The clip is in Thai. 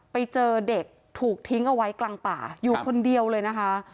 ไปเจอเด็กถูกทิ้งเอาไว้กลางป่าอยู่คนเดียวเลยนะคะ